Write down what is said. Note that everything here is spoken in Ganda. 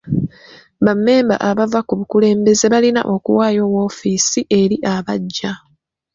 Bammemba abava ku bukulembeze balina okuwaayo woofiisi eri abaggya.